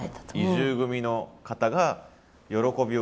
移住組の方が喜びを詠んだ。